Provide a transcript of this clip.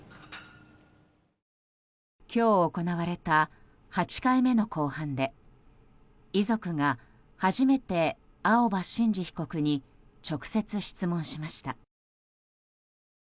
今日行われた８回目の公判で遺族が初めて青葉真司被告に直接質問しました。